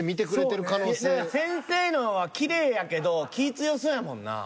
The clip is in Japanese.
先生のはきれいやけど気ぃ強そうやもんな。